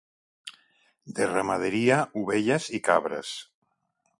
De ramaderia, ovelles i cabres.